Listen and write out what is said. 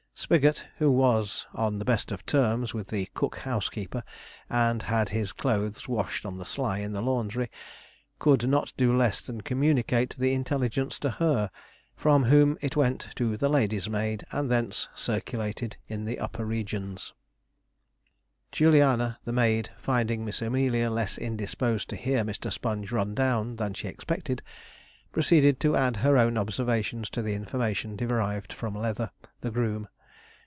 Spigot, who was on the best of terms with the 'cook housekeeper,' and had his clothes washed on the sly in the laundry, could not do less than communicate the intelligence to her, from whom it went to the lady's maid, and thence circulated in the upper regions. Juliana, the maid, finding Miss Amelia less indisposed to hear Mr. Sponge run down than she expected, proceeded to add her own observations to the information derived from Leather, the groom.